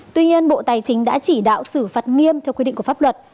tuy nhiên bộ tài chính đã chỉ đạo xử phạt nghiêm theo quy định của pháp luật